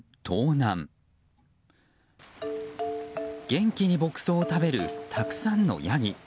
元気に牧草を食べるたくさんのヤギ。